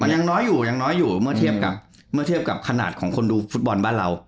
มันยังน้อยอยู่เมื่อเทียบกับขนาดของคนดูฟุตบอลบ้านเรา